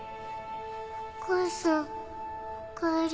お母さんおかえり。